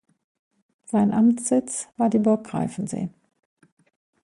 Sein Amtssitz war die Burg Greifensee.